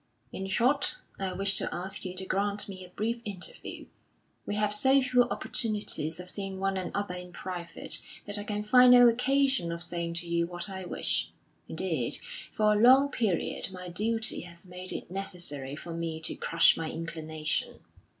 In short, I wish to ask you to grant me a brief interview; we have so few opportunities of seeing one another in private that I can find no occasion of saying to you what I wish. Indeed, for a long period my duty has made it necessary for me to crush my inclination.